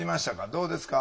どうですか？